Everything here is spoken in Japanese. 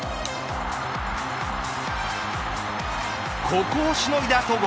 ここをしのいだ戸郷。